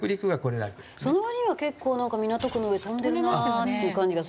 その割には結構なんか港区の上飛んでるなっていう感じがする。